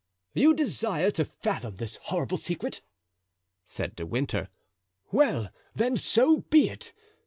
"You desire to fathom this horrible secret?" said De Winter; "well, then, so be it.